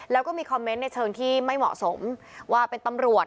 แล้วก็มีคอมเมนต์ในเชิงที่ไม่เหมาะสมว่าเป็นตำรวจ